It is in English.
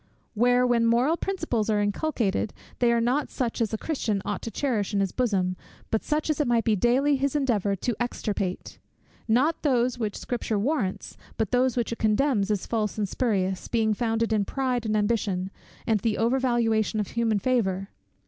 where, when moral principles are inculcated, they are not such as a Christian ought to cherish in his bosom, but such as it must be his daily endeavour to extirpate; not those which Scripture warrants, but those which it condemns as false and spurious, being founded in pride and ambition, and the over valuation of human favour!